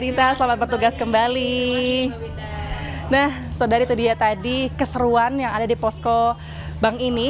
dita selamat bertugas kembali nah saudara itu dia tadi keseruan yang ada di posko bank ini